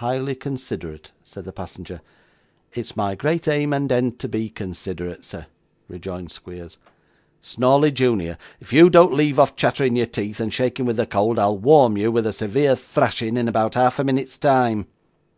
'Highly considerate,' said the passenger. 'It's my great aim and end to be considerate, sir,' rejoined Squeers. 'Snawley, junior, if you don't leave off chattering your teeth, and shaking with the cold, I'll warm you with a severe thrashing in about half a minute's time.